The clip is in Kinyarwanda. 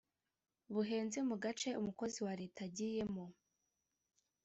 buhenze mu gace umukozi wa leta agiyemo